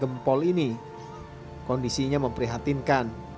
gempol ini kondisinya memprihatinkan